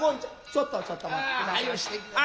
ちょっとちょっと待ってくださいませ。